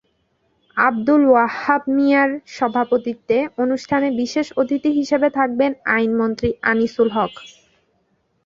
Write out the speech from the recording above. আবদুল ওয়াহ্হাব মিঞার সভাপতিত্বে অনুষ্ঠানে বিশেষ অতিথি থাকবেন আইনমন্ত্রী আনিসুল হক।